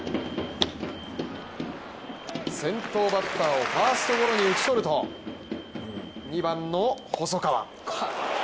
先頭バッターをファーストゴロに打ち取ると、２番の細川。